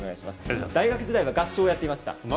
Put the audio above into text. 大学時代は合唱をやっていました。